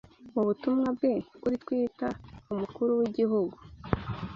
Mu butumwa bwe kuri Twita umukuru w’Igihugu